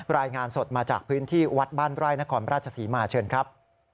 รายงานสดมาจากพื้นที่วัดบ้านไร่นครราชศรีมาเชิญครับ